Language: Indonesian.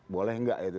boleh nggak itu